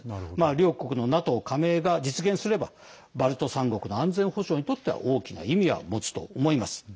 両国のＮＡＴＯ加盟が実現すればバルト３国の安全保障にとっては大きな意味を持つと思います。